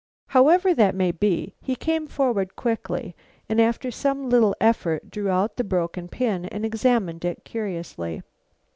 However that may be, he came forward quickly and after some little effort drew out the broken pin and examined it curiously.